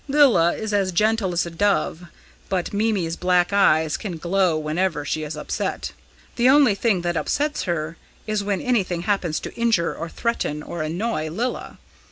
Lilla is as gentle as a dove, but Mimi's black eyes can glow whenever she is upset. The only thing that upsets her is when anything happens to injure or threaten or annoy Lilla.